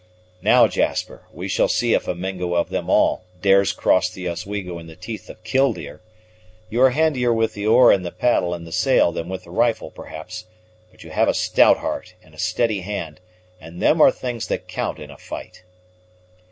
"Now, Jasper, we shall see if a Mingo of them all dares cross the Oswego in the teeth of Killdeer! You are handier with the oar and the paddle and the sail than with the rifle, perhaps; but you have a stout heart and a steady hand, and them are things that count in a fight."